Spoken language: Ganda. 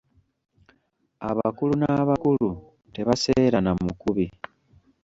Abakulu n’abakulu, tebaseerana mukubi.